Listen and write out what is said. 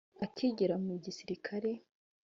Akigera mu gisirikare